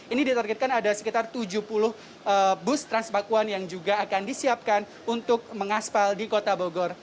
ini ditargetkan ada sekitar tujuh puluh bus transpakuan yang juga akan disiapkan untuk mengaspal di kota bogor